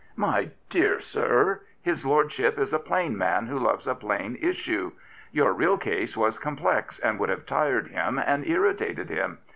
My dear sir, his lordship is a plain man who loves a plain issue. Your real case was complex, and would have tired him and irritated him.